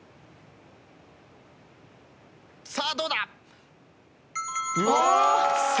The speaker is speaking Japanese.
さあどうだ？